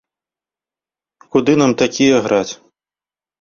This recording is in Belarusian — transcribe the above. Куды нам такія граць.